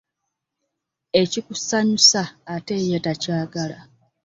Ekikusanyusa ate ye takyagala.